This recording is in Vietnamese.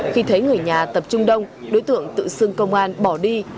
khi thấy người nhà tập trung đông đối tượng tự xưng công an bỏ đi